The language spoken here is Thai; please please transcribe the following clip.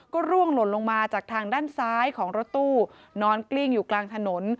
ก็ร่วงหล่นลงมาจากทางด้านซ้ายของรถตู้นอนกลิ้งอยู่กลางถนน